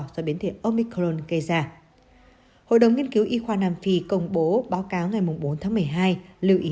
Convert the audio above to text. do biến thể omicron gây ra hội đồng nghiên cứu y khoa nam phi công bố báo cáo ngày bốn tháng một mươi hai lưu ý